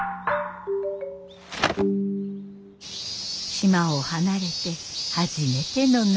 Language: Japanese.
島を離れて初めての夏。